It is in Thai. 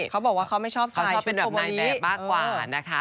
เขาบอกว่าเขาไม่ชอบสไตล์ชุดโกมบารี่เขาชอบเป็นแบบนายแบบมากกว่านะคะ